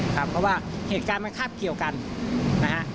เพราะว่าเหตุการณ์มันคาบเกี่ยวกันนะฮะ